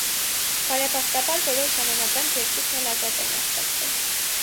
Բարեբախտաբար որոշ ժամանակ անց երկուսն էլ ազատ են արձակվել։